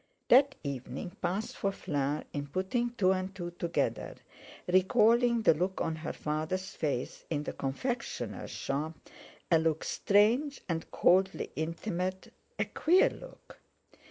That evening passed for Fleur in putting two and two together; recalling the look on her father's face in the confectioner's shop—a look strange and coldly intimate, a queer look.